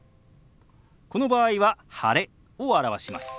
この場合は「晴れ」を表します。